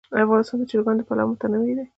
افغانستان د چرګانو له پلوه متنوع هېواد دی.